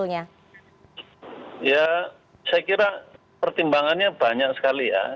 ya saya kira pertimbangannya banyak sekali ya